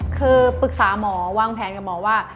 คือปรึกษาหมอวางแผนกับหมอว่า